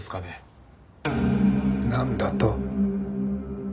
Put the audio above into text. なんだと？